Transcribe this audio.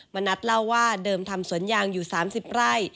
มณัฐเล่าว่าเดิมทำสวนยางอยู่๓๐ไร่